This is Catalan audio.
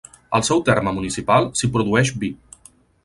Al seu terme municipal s'hi produeix vi.